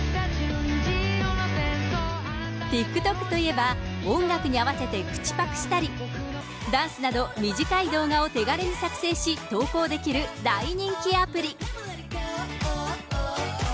ＴｉｋＴｏｋといえば、音楽に合わせて口パクしたり、ダンスなど、短い動画を手軽に作成し、投稿できる大人気アプリ。